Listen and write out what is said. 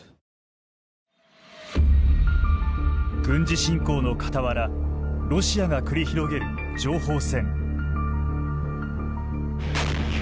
軍事侵攻の傍らロシアが繰り広げる情報戦。